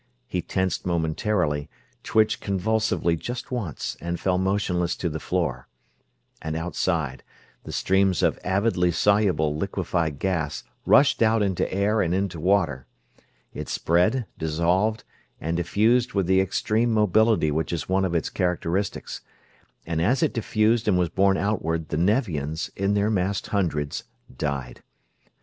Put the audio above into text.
He tensed momentarily, twitched convulsively just once, and fell motionless to the floor. And outside, the streams of avidly soluble liquefied gas rushed out into air and into water. It spread, dissolved, and diffused with the extreme mobility which is one of its characteristics; and as it diffused and was borne outward the Nevians, in their massed hundreds, died.